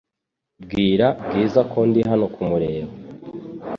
Bwira Bwiza ko ndi hano kumureba .